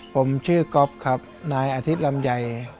ผมชื่อก๊อฟครับนายอาทิตย์ลำไย